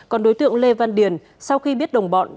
còn đối tượng lê văn điền sau khi biết đồng bọn